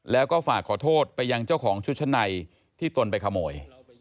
แล้วก็ฝากขอโทษไปยังเจ้าของชุดชั้นในที่ตนไปขโมย